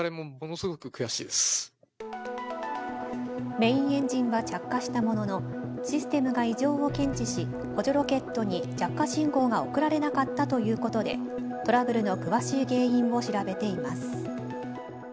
メインエンジンは着火したものの、システムが異常を検知し、補助ロケットに着火信号が送られなかったということで、トラブルの詳しい原因を調べています。